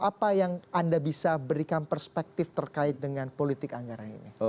apa yang anda bisa berikan perspektif terkait dengan politik anggaran ini